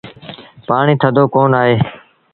پآڻي ٿڌو ڪونا اهي۔